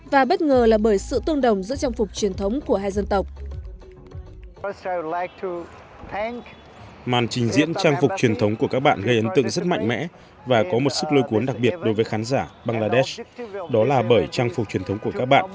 và bất ngờ là bởi sự tương đồng giữa trang phục truyền thống của hai dân tộc